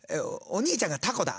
お兄ちゃんがたこだ。